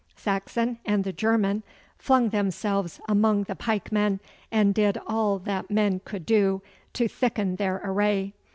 Saxon and the German flung themselves among the pikemen and did all that men could do to thicken their array.